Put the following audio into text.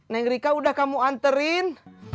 neng rika udah kamu anterin